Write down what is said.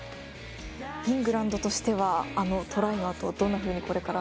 イングランドとしてはトライのあとどんなふうにこれから？